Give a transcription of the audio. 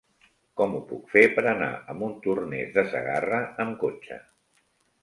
Com ho puc fer per anar a Montornès de Segarra amb cotxe?